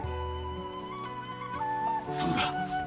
そうだ。